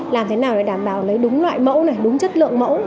làm thế nào để đảm bảo lấy đúng loại mẫu này đúng chất lượng mẫu